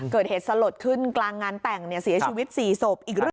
เกิดเหตุสลดขึ้นกลางงานแต่งเสียชีวิต๔ศพอีกเรื่อง